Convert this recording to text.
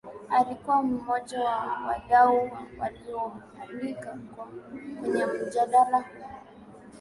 alikuwa mmoja wa wadau wa walioalikwa kwenya mjadala huu